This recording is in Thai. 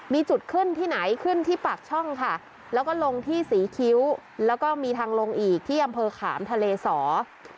มีจุดขึ้นที่ไหนขึ้นที่ปากช่องค่ะแล้วก็ลงที่ศรีคิ้วแล้วก็มีทางลงอีกที่อำเภอขามทะเลสอ